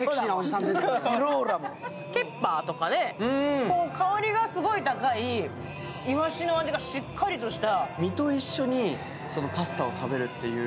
ケッパーとかで香りがすごい高いいわしの味がしっかりとした。